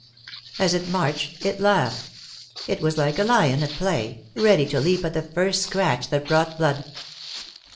As it marched it laughed. It was like a lion at play, ready to leap at the first scratch that brought blood.